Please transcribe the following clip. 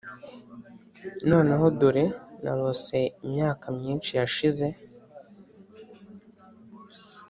noneho dore! narose imyaka myinshi yashize,